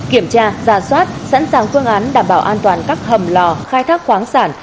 kiểm tra giả soát sẵn sàng phương án đảm bảo an toàn các hầm lò khai thác khoáng sản